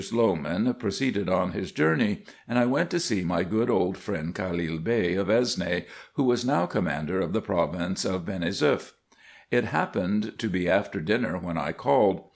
Slowman proceeded on his journey, and I went to see my good old friend Ivhalil Bey of Esne, who was now commander of the province of Benesouef. It happened to be after dinner when I called.